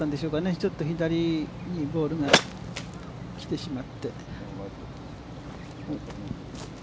ちょっと左にボールが来てしまって。